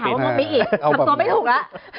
ทำตัวไม่ถูกแล้ว